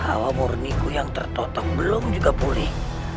awamurni yang tertotong belum juga pulih